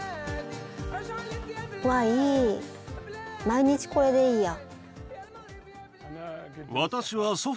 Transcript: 毎日これでいいや。